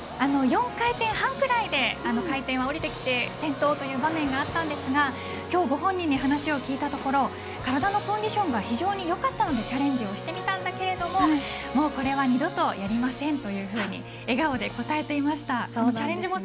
４回転半ぐらいで回転は降りてきて転倒という場面があったんですが今日ご本人に話を聞いたところ体のコンディションが非常によかったのでチャレンジしてみたんだけれどもうこれは二度とやりませんというふうに笑顔で答えていました。